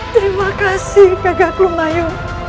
terima kasih kagak lumayu